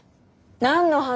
何の話？